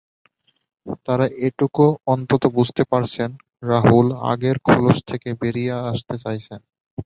তাঁরা এটুকু অন্তত বুঝতে পারছেন, রাহুল আগের খোলস থেকে বেরিয়ে আসতে চাইছেন।